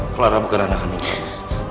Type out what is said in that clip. clara bukan anak kandung aku